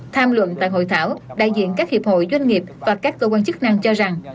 tham luận tại hội thảo đại diện các hiệp hội doanh nghiệp và các cơ quan chức năng cho rằng